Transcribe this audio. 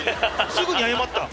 すぐに謝った。